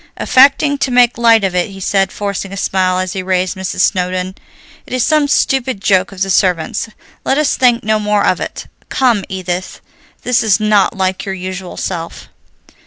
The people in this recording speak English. Affecting to make light of it, he said, forcing a smile as he raised Mrs. Snowdon, "It is some stupid joke of the servants. Let us think no more of it. Come, Edith, this is not like your usual self."